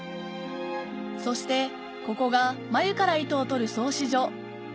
そしてここが繭から糸を取る繰糸所